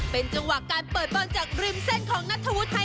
เป็นจังหวะการเปิดบอลจากริมเส้นของนัทธวุฒิไทย